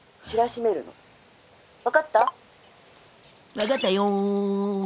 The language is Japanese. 分かったよん！